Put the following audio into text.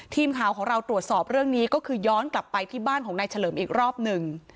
ทีมข่าวของเราตรวจสอบเรื่องนี้ก็คือย้อนกลับไปที่บ้านของนายเฉลิมอีกรอบหนึ่ง